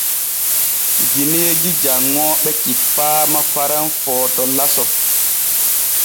Gineeji janŋooɓe cippaama Faran Footo laso.